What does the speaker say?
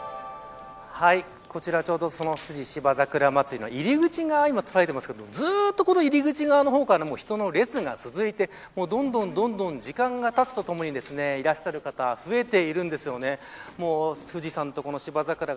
こちらちょうど富士芝桜まつりの入り口を捉えていますがずっと入り口側の方から人の列が続いてどんどんどんどん時間が経つとともにいらっしゃる方増えているんですよね。